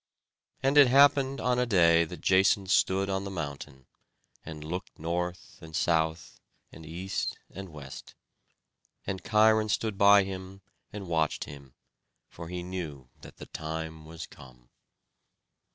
And it happened on a day that Jason stood on the mountain, and looked north and south and east and west; and Cheiron stood by him and watched him, for he knew that the time was come.